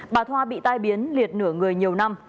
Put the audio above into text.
bà thoa bị tai biến liệt nửa người nhiều năm